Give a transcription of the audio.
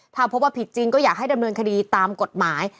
ถ้าพบว่าผิดจริงก็อยากให้ดำเนินคดีตามกฎหมาย